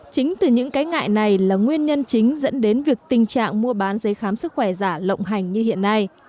chính từ những cái ngại này là nguyên nhân chính dẫn đến việc tình trạng mua bán giấy khám sức khỏe giả lộng hành như hiện nay